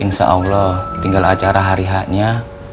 insyaallah tinggal acara hari ha nya